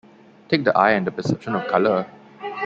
Take the eye and the perception of color.